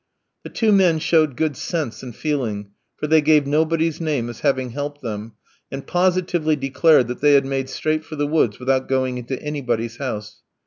The two men showed good sense and feeling, for they gave nobody's name as having helped them, and positively declared that they had made straight for the woods without going into anybody's house.